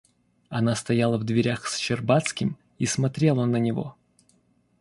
Она стояла в дверях с Щербацким и смотрела на него.